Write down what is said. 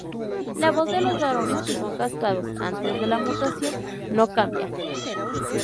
La voz de los varones que son castrados antes de la mutación, no cambia.